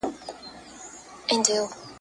استقامت د ايمان تر ټولو ښکلی صفت دی.